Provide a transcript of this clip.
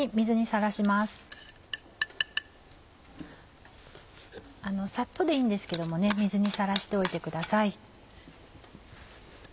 サッとでいいんですけども水にさらしておいてください。